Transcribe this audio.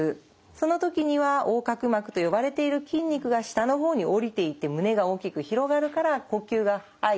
その時には横隔膜と呼ばれている筋肉が下の方に下りていって胸が大きく広がるから呼吸が入る。